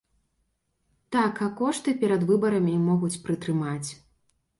Так, а кошты перад выбарамі могуць прытрымаць.